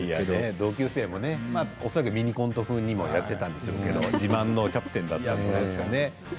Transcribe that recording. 同級生も恐らくミニコント風にやっていたんでしょうけど自慢のキャプテンだったんですね。